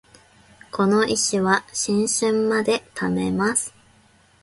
この石は新春まで貯めます